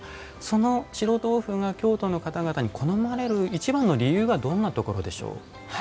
その白とうふが京都の方々に好まれる一番の理由はどんなところでしょう？